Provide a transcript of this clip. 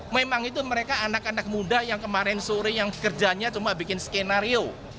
memang itu mereka anak anak muda yang kemarin sore yang kerjanya cuma bikin skenario